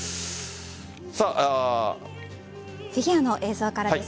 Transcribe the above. フィギュアの映像からです。